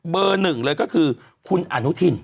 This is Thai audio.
เบอร์๑เลยก็คือคุณอนุทิน